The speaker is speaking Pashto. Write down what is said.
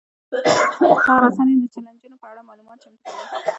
دغه رسنۍ د چلنجونو په اړه معلومات چمتو کوي.